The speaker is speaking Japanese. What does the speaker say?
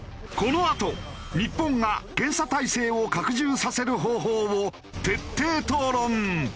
このあと日本が検査体制を拡充させる方法を徹底討論。